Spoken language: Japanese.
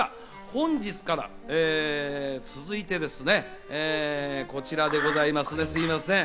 本日から続いてですね、こちらでございますね、すみません。